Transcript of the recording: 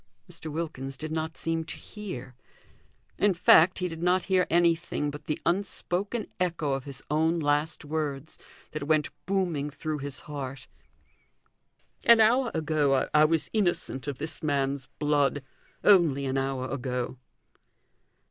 Mr. Wilkins did not seem to hear; in fact, he did not hear anything but the unspoken echo of his own last words, that went booming through his heart: "An hour ago I was innocent of this man's blood! Only an hour ago!"